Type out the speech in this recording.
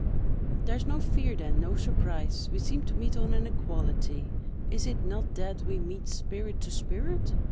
There is no fear then, no surprise; we seem to meet on an equality—is it not that we meet spirit to spirit?